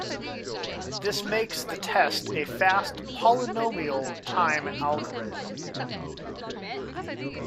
This makes the test a fast polynomial-time algorithm.